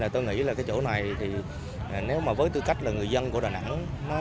tôi nghĩ là cái chỗ này thì nếu mà với tư cách là người dân của đà nẵng